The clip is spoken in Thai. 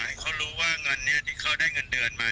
เราอยากให้เขารู้ว่าเมื่อที่เขาได้เงินเดือนมา